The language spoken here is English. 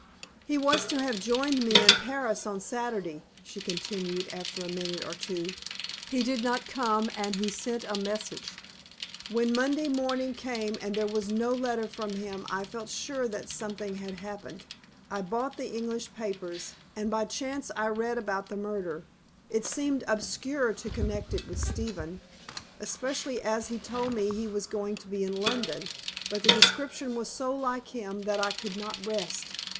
"He was to have joined me in Paris on Saturday," she continued after a minute or two. "He did not come and he sent a message. When Monday morning came and there was no letter from him, I felt sure that something had happened. I bought the English papers, and by chance I read about the murder. It seemed absurd to connect it with Stephen, especially as he told me he was going to be in London, but the description was so like him that I could not rest.